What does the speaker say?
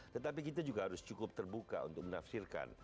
tetapi kita juga harus cukup terbuka untuk menafsirkan